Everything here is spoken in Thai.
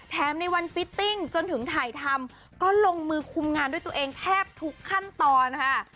ในวันฟิตติ้งจนถึงถ่ายทำก็ลงมือคุมงานด้วยตัวเองแทบทุกขั้นตอนค่ะ